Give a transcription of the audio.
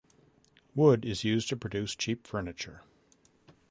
Wood is used to produce cheap furniture.